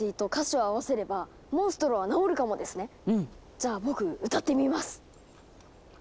じゃあ僕歌ってみます！